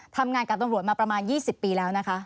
ทำงานกับตำรวจมาประมาณ๒๐ปีแล้วนะคะ